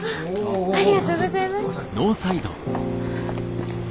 ありがとうございます。